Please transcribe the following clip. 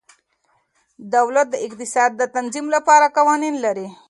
دولت د اقتصاد د تنظیم لپاره قوانین لري.